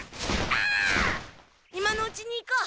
今のうちに行こう！